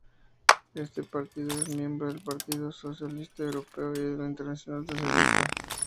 Este partido es miembro del Partido Socialista Europeo y de la Internacional Socialista.